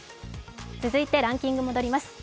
続いてランキングに戻ります。